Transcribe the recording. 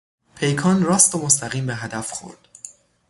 پیکان راست و مستقیم به هدف خورد.